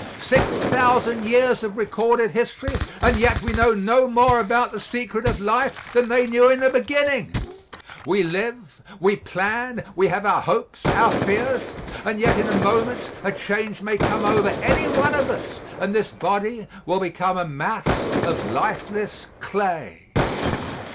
Six thousand years of recorded history and yet we know no more about the secret of life than they knew in the beginning. We live, we plan; we have our hopes, our fears; and yet in a moment a change may come over anyone of us and this body will become a mass of lifeless clay.